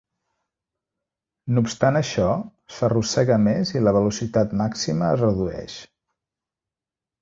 No obstant això, s'arrossega més i la velocitat màxima es redueix.